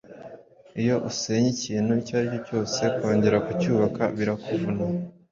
Iyo usenye ikintu icyo ari cyo cyose kongera kucyubaka birakuvuna.